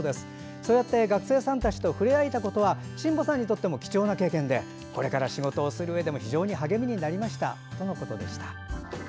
そうやって学生さんと触れ合えたことは新保さんにとっても貴重な経験でこれから仕事をするうえでも非常に励みになりましたとのことでした。